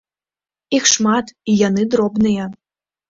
Іх шмат і яны дробныя.